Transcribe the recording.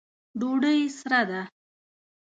ډوډۍ سره ده